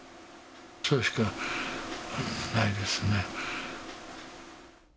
それしかないですね。